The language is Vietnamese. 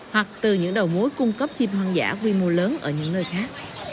hoặc từ những đầu mối cung cấp chim hoang dã quy mô lớn ở những nơi khác